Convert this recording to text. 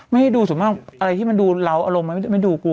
ไม่ให้ดูส่วนมากอะไรที่มันดูเราอารมณ์มันไม่ดูกู